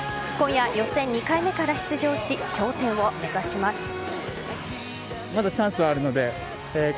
今夜、予選２回目から出場し頂点を目指します。